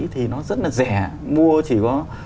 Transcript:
thì nó rất là rẻ mua chỉ có